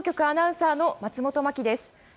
アナウンサーの松本真季です。